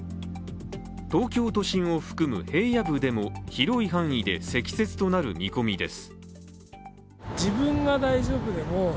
東京都心を含む平野部でも広い範囲で積雪となる見込みです。